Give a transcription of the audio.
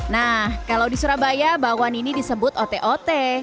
nah kalau di surabaya bakwan ini disebut ote ote